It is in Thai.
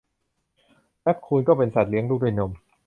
แรคคูนก็เป็นสัตว์เลี้ยงลูกด้วยนม